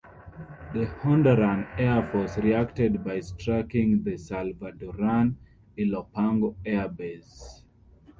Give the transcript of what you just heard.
The Honduran air force reacted by striking the Salvadoran Ilopango airbase.